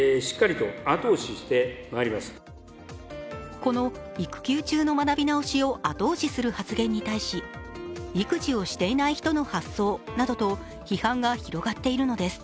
この、育休中の学び直しを後押しする発言に対し育児をしていない人の発想などと批判が広がっているのです。